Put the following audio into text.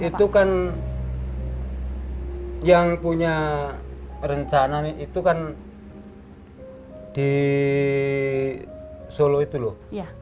itu kan yang punya rencana itu kan di solo itu loh